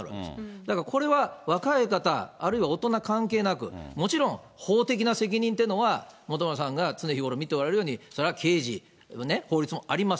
だからこれは若い方、あるいは大人関係なく、もちろん法的な責任というのは、本村さんが常日頃見ておられるように、それは刑事、法律もあります。